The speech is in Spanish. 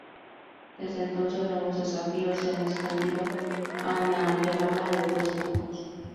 Desde entonces, nuevos desafíos se han expandido a una amplia gama de otros campos.